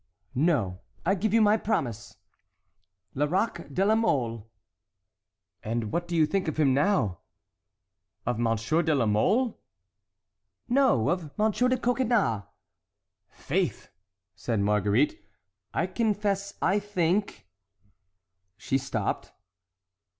"No, I give you my promise!" "Lerac de la Mole." "And what do you think of him now?" "Of Monsieur de la Mole?" "No, of Monsieur de Coconnas?" "Faith!" said Marguerite, "I confess I think"— She stopped.